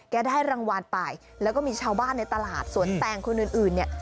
ได้รางวัลไปแล้วก็มีชาวบ้านในตลาดสวนแตงคนอื่นเนี่ย